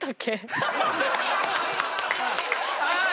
あ！